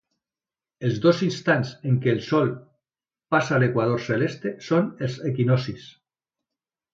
Els dos instants en què el Sol passa l'equador celeste són els equinoccis.